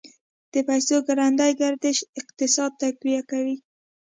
د پیسو ګړندی گردش اقتصاد تقویه کوي.